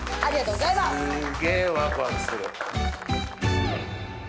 すげぇワクワクする。